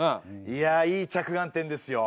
いやいい着眼点ですよ。